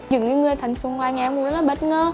những người thân xung quanh nhà em cũng rất là bất ngờ